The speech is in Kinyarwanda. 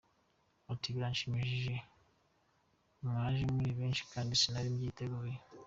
Ati “Birashimishije, mwaje muri benshi kandi sinari mbyiteguye.